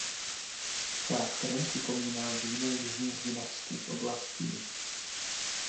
Charakterem připomíná vína jižních vinařských oblastí.